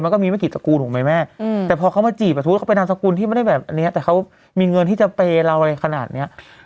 มันก็มีเมื่อกี่สกูลของไม่แม่